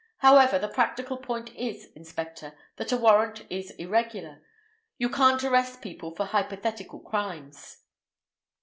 However, the practical point is, inspector, that the warrant is irregular. You can't arrest people for hypothetical crimes."